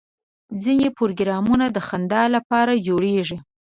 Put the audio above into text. ځینې پروګرامونه د خندا لپاره جوړېږي.